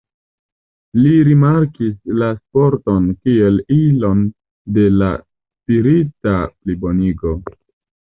Li reklamis la sporton kiel ilon de la spirita plibonigo.